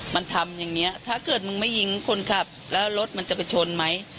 มันทำอย่างนี้ถ้าเกิดมึงไม่ยิงคนขับแล้วรถมันจะไปชนไหม